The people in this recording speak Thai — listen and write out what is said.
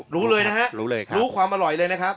รู้เลยนะครับรู้ความอร่อยเลยนะครับ